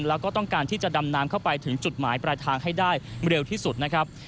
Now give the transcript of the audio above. แล้วก็ต้องการที่จะดำน้ำเข้าไปถึงจุดหมายปลายทางให้ได้เร็วที่สุดนะครับ